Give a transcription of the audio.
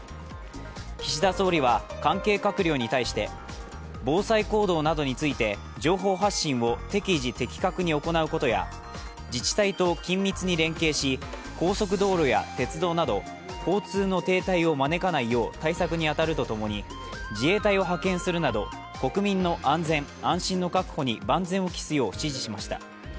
岸田総理は関係閣僚に対して防災行動などについて情報発信を適時的確に行うことや自治体と緊密に連携し高速道路や鉄道など交通の停滞を招かないよう対策に当たるとともに自衛隊を派遣するなど国民の安全・安心の確保に万全を期すよう指示しました。